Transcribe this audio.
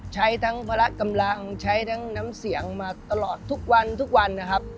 ใช้ทั้งพาระกำลังใช้ทั้งน้ำเสียงมาตลอดทุกวัน